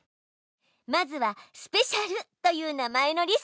まずは「スペシャル」という名前のリストを作りましょう。